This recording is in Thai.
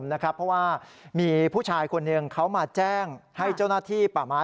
เพราะว่ามีผู้ชายคนหนึ่งเขามาแจ้งให้เจ้าหน้าที่ป่าไม้